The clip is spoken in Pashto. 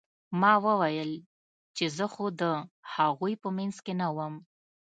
ما وويل چې زه خو د هغوى په منځ کښې نه وم.